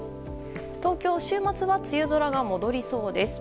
東京、週末は梅雨空が戻りそうです。